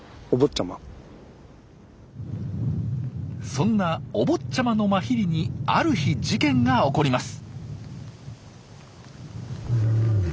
そんなお坊ちゃまのマヒリにある日事件が起こります。